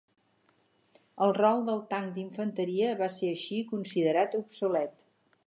El rol del tanc d'infanteria va ser així considerat obsolet.